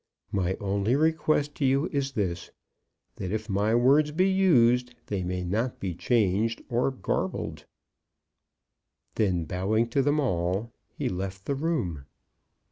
My only request to you is this, that if my words be used, they may not be changed or garbled." Then, bowing to them all, he left the room.